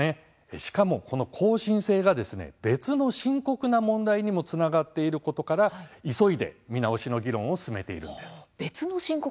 しかも、この更新制が別の深刻な問題にもつながっていることから急いで見直しを進めているんです。